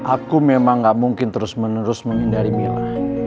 aku memang gak mungkin terus menerus menghindari mila